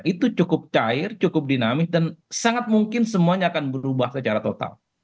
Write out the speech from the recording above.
itu cukup cair cukup dinamis dan sangat mungkin semuanya akan berubah secara total